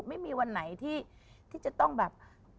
ไม่มีวันไหนที่จะต้องแบบ